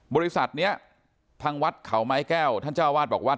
บริษัทนี้ทางวัดเขาไม้แก้วท่านเจ้าวาดบอกว่า